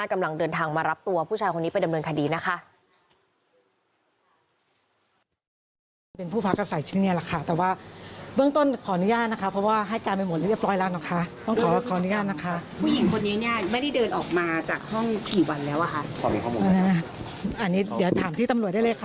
กำลังเดินทางมารับตัวผู้ชายคนนี้ไปดำเนินคดีนะคะ